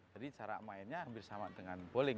jadi cara mainnya hampir sama dengan bowling